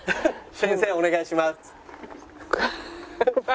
先生お願いします。